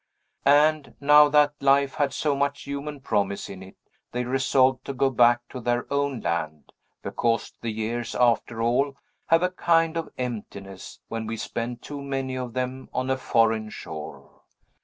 And, now that life had so much human promise in it, they resolved to go back to their own land; because the years, after all, have a kind of emptiness, when we spend too many of them on a foreign shore.